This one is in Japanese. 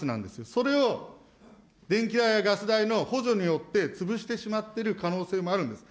それを、電気代やガス代の補助によって潰してしまってる可能性もあるんです。